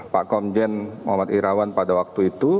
pak komjen muhammad irawan pada waktu itu